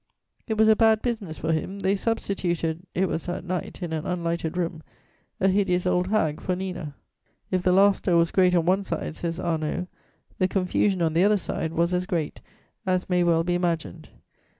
It was a bad business for him; they substituted (it was at night, in an unlighted room) a hideous old hag for Nina: "If the laughter was great on one side," says Arnauld, "the confusion on the other side was as great, as may well be imagined.